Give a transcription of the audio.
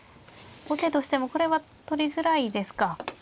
後手としてもこれは取りづらいですか。